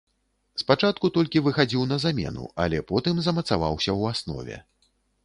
Спачатку толькі выхадзіў на замену, але потым замацаваўся ў аснове.